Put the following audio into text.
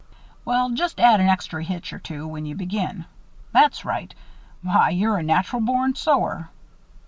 "Well, just add an extry hitch or two when you begin that's right. Why, you're a natural born sewer."